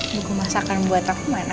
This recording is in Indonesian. buku masakan buat aku main